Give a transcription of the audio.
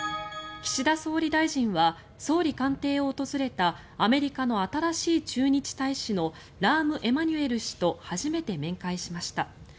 岸田総理大臣は総理官邸を訪れたアメリカの新しい駐日大使のラーム・エマニュエル氏と初めて面会しました。